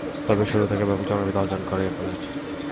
তবে শুরু থেকেই ব্যাপক জনপ্রিয়তা অর্জন করে এই কলেজ।